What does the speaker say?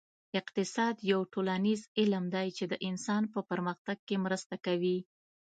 اقتصاد یو ټولنیز علم دی چې د انسان په پرمختګ کې مرسته کوي